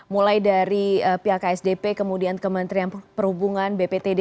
mulai dari pihak asdp kemudian kementerian perhubungan bptd